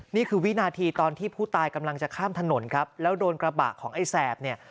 นี่คือวินาทีตอนที่ผู้ตายกำลังจะข้ามถนนครับแล้วโดนกระบะของไอ้แสบเนี่ย